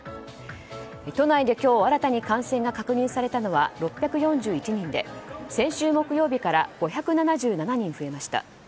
都内で今日新たに感染が確認されたのは６４１人で先週木曜日から５７７人増えました。